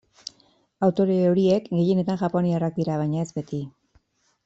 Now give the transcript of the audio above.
Autore horiek gehienetan japoniarrak dira, baina ez beti.